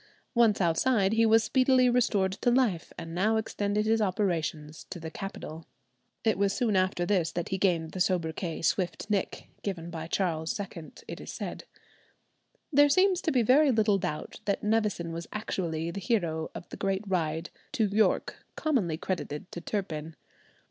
Once outside, he was speedily restored to life, and now extended his operations to the capital. It was soon after this that he gained the soubriquet, "Swift Nick," given by Charles II, it is said. There seems to be very little doubt that Nevison was actually the hero of the great ride to York, commonly credited to Turpin.